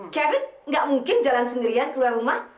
kevin nggak mungkin jalan sendirian keluar rumah